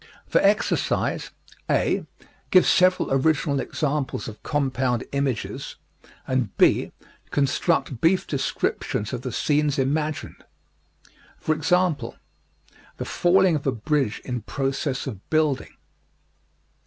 For exercise, (a) give several original examples of compound images, and (b) construct brief descriptions of the scenes imagined. For example, the falling of a bridge in process of building.